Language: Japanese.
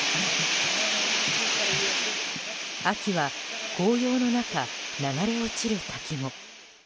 秋は紅葉の中、流れ落ちる滝も。